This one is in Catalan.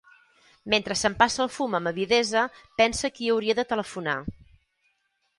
Mentre s'empassa el fum amb avidesa pensa a qui hauria de telefonar.